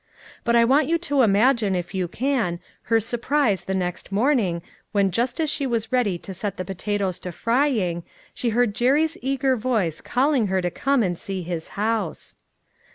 But I want you to imagine, if you can, her surprise the next morning when just as she was ready to set the potatoes to frying, she heard Jerry's eager voice calling her to come and see his house.